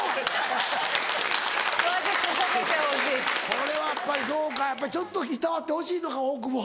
これはそうかやっぱりちょっといたわってほしいのか大久保。